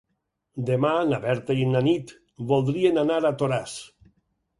Demà na Berta i na Nit voldrien anar a Toràs.